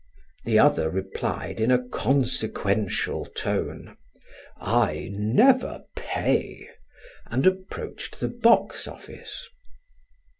The other replied in a consequential tone: "I never pay," and approached the box office.